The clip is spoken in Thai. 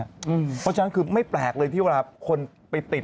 เพราะฉะนั้นคือไม่แปลกเลยที่เวลาคนไปติด